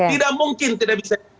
tidak mungkin tidak bisa